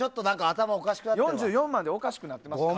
４４万でおかしくなってますからね。